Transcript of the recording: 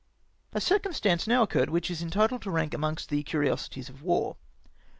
A ckcumstance now occurred which is entitled to rank amongst the curiosities of war.